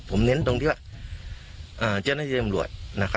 ผมเน้นตรงที่ว่าเจ้าหน้าที่ตำรวจ